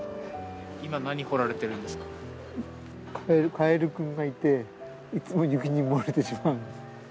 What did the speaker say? カエルくんがいていつも雪に埋もれてしまうんです。